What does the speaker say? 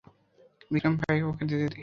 বিক্রম - ভাই, ওকে যেতে দে।